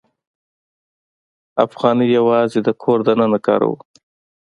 افغانۍ یوازې د کور دننه کاروو.